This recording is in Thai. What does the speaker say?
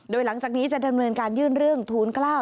โดยหลังจากนี้จะดำเนินการยื่นเรื่องทูล๙